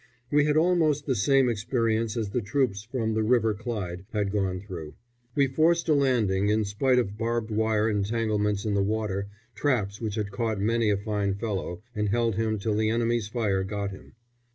We had almost the same experience as the troops from the River Clyde had gone through. We forced a landing, in spite of barbed wire entanglements in the water, traps which had caught many a fine fellow and held him till the enemy's fire got him.